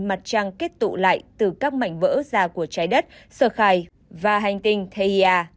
mặt trăng kết tụ lại từ các mảnh vỡ ra của trái đất sở khai và hành tinh theia